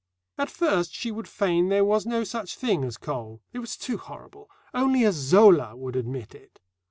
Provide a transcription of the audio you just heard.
At first she would feign there was no such thing as coal. It was too horrible. Only a Zola would admit it.